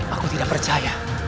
aku tidak percaya